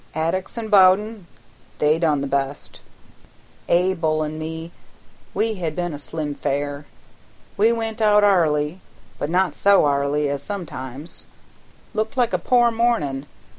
"Addicks an' Bowden they done the best; Abel an' me we had but a slim fare. We went out 'arly, but not so 'arly as sometimes; looked like a poor mornin'.